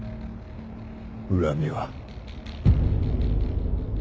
恨みは。